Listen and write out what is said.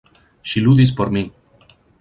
Ŝi ludis por mi!